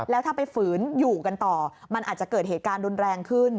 แล้วถ้าไปฝืนอยู่กันต่อมันอาจจะเกิดเหตุการณ์รุนแรงขึ้น